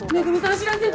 知らせんと！